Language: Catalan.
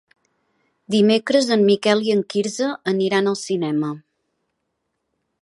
Dimecres en Miquel i en Quirze aniran al cinema.